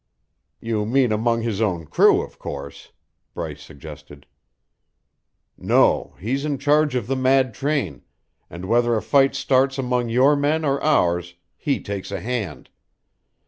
"You mean among his own crew, of course," Bryce suggested. "No, he's in charge of the mad train, and whether a fight starts among your men or ours, he takes a hand.